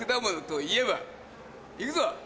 いくぞ！